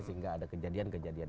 sehingga ada kejadian kejadian